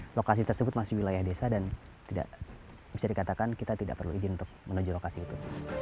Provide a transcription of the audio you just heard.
lokasi tersebut masih wilayah desa dan tidak bisa dikatakan kita tidak perlu izin untuk menuju lokasi itu